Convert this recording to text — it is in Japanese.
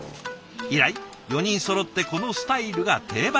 以来４人そろってこのスタイルが定番に。